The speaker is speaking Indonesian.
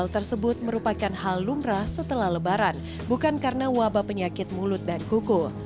hal tersebut merupakan hal lumrah setelah lebaran bukan karena wabah penyakit mulut dan kuku